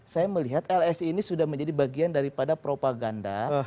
saya melihat lsi ini sudah menjadi bagian daripada propaganda